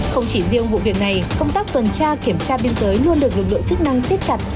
không chỉ riêng vụ việc này công tác tuần tra kiểm tra biên giới luôn được lực lượng chức năng siết chặt